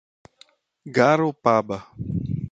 Garopaba